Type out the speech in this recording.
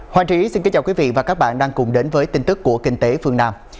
hoàng trí xin kính chào quý vị và các bạn đang cùng đến với tin tức của kinh tế phương nam